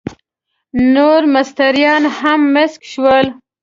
نور مستریان هم مسک شول.